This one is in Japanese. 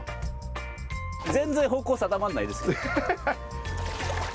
全然方向定まらないです。